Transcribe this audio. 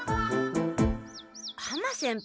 浜先輩